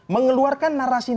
mengeluarkan narasi negatif